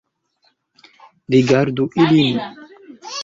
Rigardu ilin